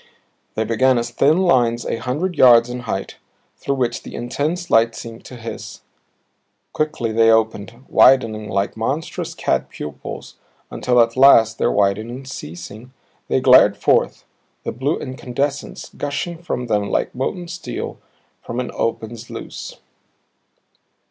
They began as thin lines a hundred yards in height through which the intense light seemed to hiss; quickly they opened widening like monstrous cat pupils until at last, their widening ceasing, they glared forth, the blue incandescence gushing from them like molten steel from an opened sluice.